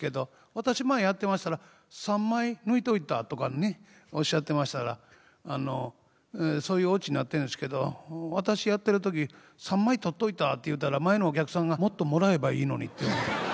私前やってましたら「３枚抜いといた」とかおっしゃってましたからそういうオチになってるんですけど私やってる時「３枚取っといた」って言うたら前のお客さんが「もっともらえばいいのに」って言わはった。